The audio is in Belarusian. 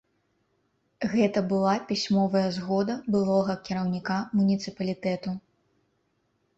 Гэта была пісьмовая згода былога кіраўніка муніцыпалітэту.